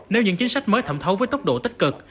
nếu những chính sách mới thẩm thấu với tốc độ tích cực